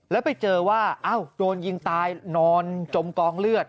แล้วไปเจอว่าโดนยิงตายนอนจมกองเลือด